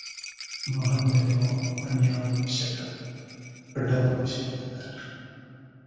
ما هم د لېونیانو په ډول مشوره درکړه.